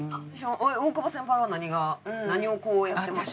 大久保先輩は何が何をやってますか？